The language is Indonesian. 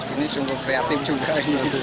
ini sungguh kreatif juga